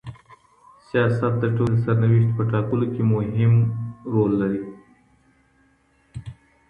سياست د ټولني د سرنوشت په ټاکلو کي مهم دی.